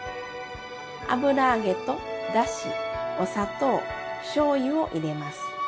油揚げとだしお砂糖しょうゆを入れます。